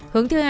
hướng thứ hai